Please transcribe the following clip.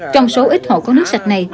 trong số ít hậu có nước sạch này